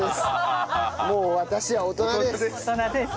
もう私は大人です！